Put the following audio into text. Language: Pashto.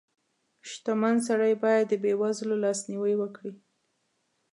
• شتمن سړی باید د بېوزلو لاسنیوی وکړي.